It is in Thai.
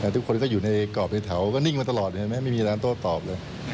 ทุกคนก็อยู่ในกรอบในแถวก็นิ่งมาตลอดเห็นไหมไม่มีร้านโต้ตอบเลย